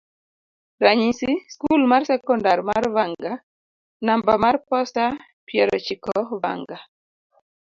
ranyisi, skul mar sekondar mar Vanga, namba mar posta, piero chiko Vanga